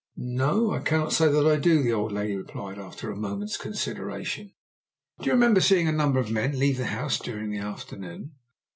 "No, I cannot say that I do," the old lady replied after a moment's consideration. "Do you remember seeing a number of men leave the house during the afternoon?"